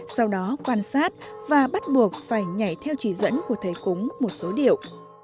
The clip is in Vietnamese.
sau đó quan sát và bắt buộc phải nhảy theo chỉ dẫn của thầy cúng một số điệu